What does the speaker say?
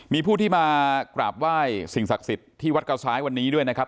มีผู้ที่มากราบไหว้สิ่งศักดิ์สิทธิ์ที่วัดเกาซ้ายวันนี้ด้วยนะครับ